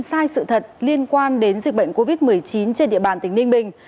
sai sự thật liên quan đến dịch bệnh covid một mươi chín trên địa bàn tỉnh ninh bình